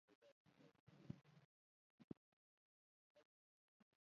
د خپلې خولې خلاصولو څخه مخکې ذهن خلاص کړه.